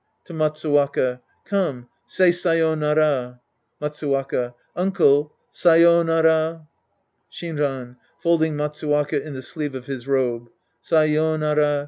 {T^o Matsuwaka.) Come, say sayonara. Matsuwaka. Uncle, sayonara. Shinran {folding Matsuwaka in the sleeve of his robe). Say5nara.